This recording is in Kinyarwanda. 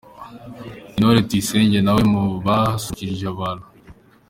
Intore Tuyisenge nawe mu basusurukije abantu.